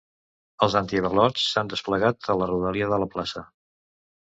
Els antiavalots s’han desplegat a la rodalia de la plaça.